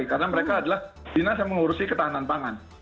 karena mereka adalah dinas yang mengurusi ketahanan pangan